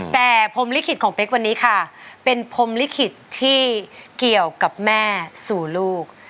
แต่พรมลิขิตของเป๊กวันนี้ค่ะเป็นพรมลิขิตที่เกี่ยวกับแม่สู่ลูก